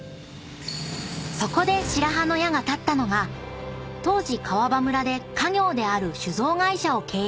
［そこで白羽の矢が立ったのが当時川場村で家業である酒造会社を経営していた］